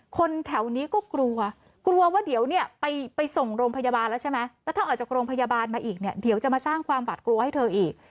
คนแถวนี้ก็กลัวกลัวว่าเดี๋ยวเนี่ยไปส่งโรงพยาบาลแล้วใช่ไหมแล้วถ้าออกจากโรงพยาบาลมาอีกเนี่ยเดี๋ยวจะมาสร้างความหวาดกลัวให้เธออีก